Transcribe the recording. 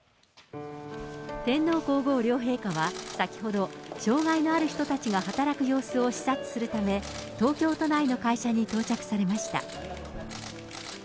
天皇皇后両陛下は、先ほど、障害のある人たちが働く様子を視察するため、東京都内の会社に到着されました。